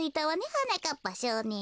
はなかっぱしょうねん。